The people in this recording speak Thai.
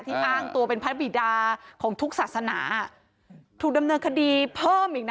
อ้างตัวเป็นพระบิดาของทุกศาสนาถูกดำเนินคดีเพิ่มอีกนะ